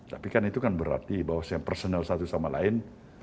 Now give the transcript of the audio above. tapi kan itu kan berarti bahwa saya personal satu sama lain